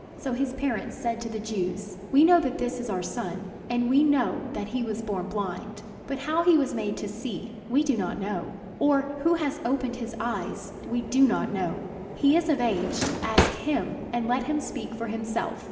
So his parents said to the Jews: "We know that this is our son, and we know that he was born blind. But how he was made to see, we do not know; or who has opened his eyes, we do not know. He is of age; ask him, and let him speak for himself."